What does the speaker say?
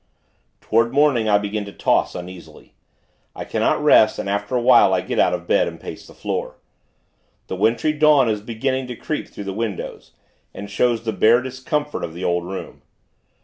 Toward morning, I begin to toss, uneasily. I cannot rest, and, after awhile, I get out of bed, and pace the floor. The wintry dawn is beginning to creep through the windows, and shows the bare discomfort of the old room.